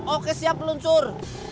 oke siap peluncur